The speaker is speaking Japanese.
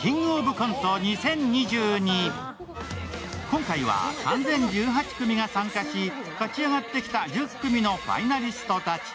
今回は３０１８組が参加し、勝ち上がってきた１０組のファイナリストたち。